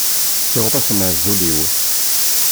Siweḍ-asen azul-iw.